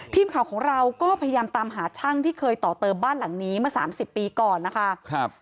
ทีมข่าวของเราก็พยายามตามหาช่างที่เคยต่อเติมบ้านหลังนี้เมื่อ๓๐ปีก่อนนะคะ